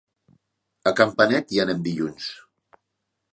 A Campanet hi anem dilluns.